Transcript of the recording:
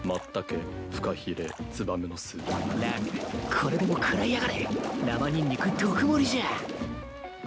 これでも食らいやがれ生ニンニク特盛りじゃ